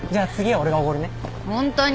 ホントに？